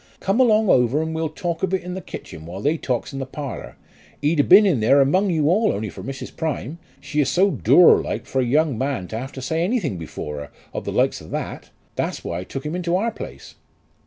Come along over and we'll talk of it in the kitchen while they talks in the parlour. He'd a' been in there among you all only for Mrs. Prime. She is so dour like for a young man to have to say anything before her, of the likes of that. That's why I took him into our place."